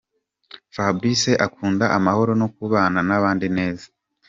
Fabrice akunda amahoro no kubana n’abandi neza.